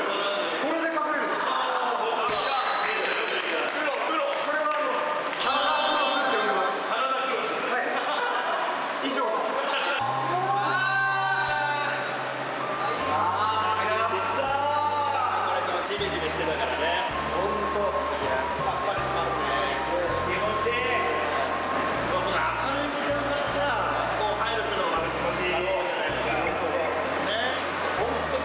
この明るい時間からさ入るっていうのもまた気持ちいいじゃないですか。